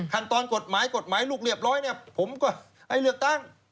คันตอนกฎหมายลูกเรียบร้อยผมก็ให้เลือกตั้ง